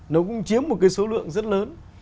nó cũng chiếm một số lượng rất lớn